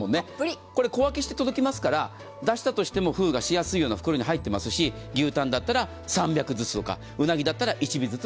これ小分けして届きますから出したとしても封がしやすいような袋に入っていますし、牛タンだったら３００ｇずつとか、うなぎだったら１尾ずつ。